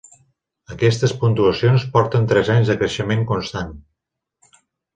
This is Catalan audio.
Aquestes puntuacions porten tres anys de creixement constant.